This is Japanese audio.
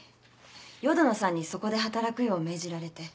淀野さんにそこで働くよう命じられて。